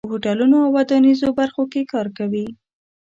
په هوټلونو او ودانیزو برخو کې کار کوي.